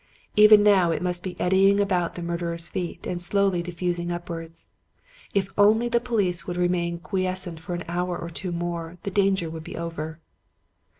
Even now it must be eddying about the murderers' feet and slowly diffusing upwards. If only the police would remain quiescent for an hour or two more, the danger would be over.